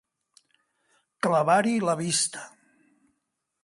Clavar-hi la vista.